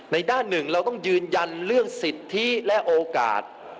ด้านหนึ่งเราต้องยืนยันเรื่องสิทธิและโอกาส